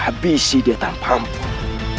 habisi dia tanpa ampun